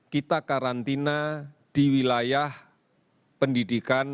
kita karantina di wilayah pendidikan